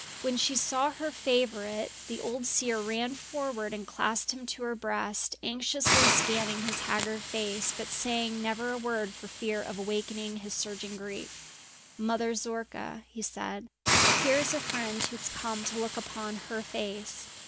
When she saw her favourite the old seer ran forward and clasped him to her breast, anxiously scanning his haggard face, but saying never a word for fear of awakening his surging grief. "Mother Zorka," he said, "here is a friend who has come to look upon her face!"